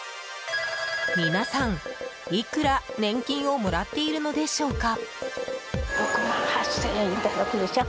皆さん、いくら年金をもらっているのでしょうか？